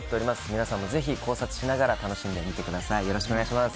皆さんもぜひ考察しながら楽しんでください。